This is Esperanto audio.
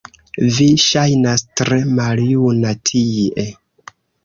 Vi ŝajnas tre maljuna tie